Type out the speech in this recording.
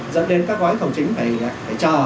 dẫn đến các gói thầu chính phải chờ